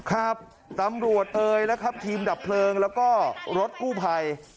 ครับตำรวจเอ๋ยกลับรับเบลงและรถกู้ไภ